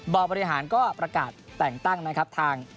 บริหารก็ประกาศแต่งตั้งนะครับทาง